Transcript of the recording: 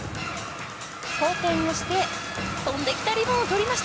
後転をして、飛んできたリボンを取りました。